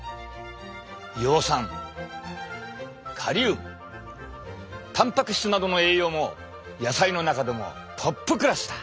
葉酸カリウムタンパク質などの栄養も野菜の中でもトップクラスだ。